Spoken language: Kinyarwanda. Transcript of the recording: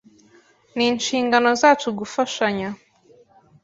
Ni inshingano zacu gufashanya.